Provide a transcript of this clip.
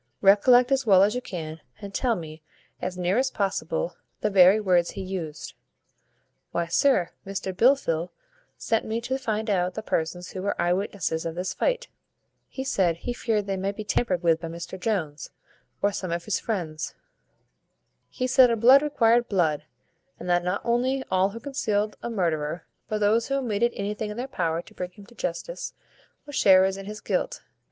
Recollect as well as you can, and tell me, as near as possible, the very words he used." "Why, sir, Mr Blifil sent me to find out the persons who were eye witnesses of this fight. He said, he feared they might be tampered with by Mr Jones, or some of his friends. He said, blood required blood; and that not only all who concealed a murderer, but those who omitted anything in their power to bring him to justice, were sharers in his guilt.